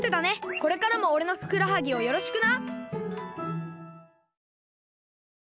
これからもおれのふくらはぎをよろしくな！